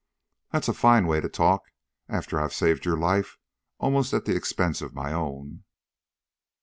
"That's a fine way to talk after I have saved your life almost at the expense of my own."